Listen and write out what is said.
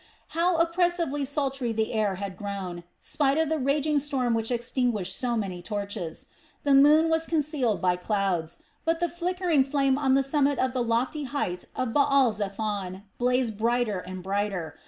How oppressively sultry the air had grown, spite of the raging storm which extinguished so many torches! The moon was concealed by clouds, but the flickering fire on the summit of the lofty height of Baal zephon blazed brighter and brighter.